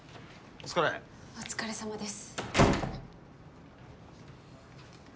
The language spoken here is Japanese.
お疲れさまです。